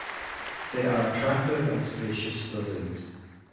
They are attractive and spacious buildings.